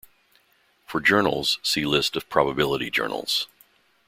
For journals, see list of probability journals.